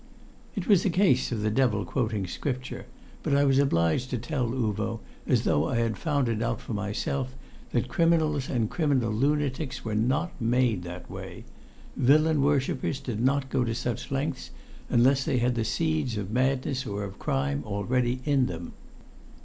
It was a case of the devil quoting scripture, but I was obliged to tell Uvo, as though I had found it out for myself, that criminals and criminal lunatics were not made that way. Villain worshippers did not go to such lengths unless they had the seeds of madness or of crime already in them.